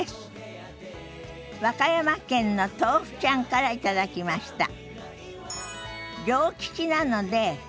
和歌山県のとうふちゃんから頂きました。